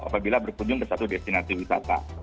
apabila berkunjung ke satu destinasi wisata